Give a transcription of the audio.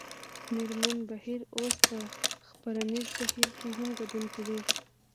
مېرمن بهیر اوس په خپرنیز بهیر کې هم ګډون کوي